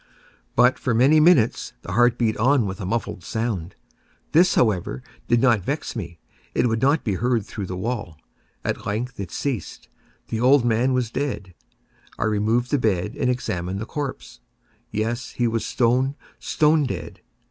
But, for many minutes, the heart beat on with a muffled sound. This, however, did not vex me; it would not be heard through the wall. At length it ceased. The old man was dead. I removed the bed and examined the corpse. Yes, he was stone, stone dead.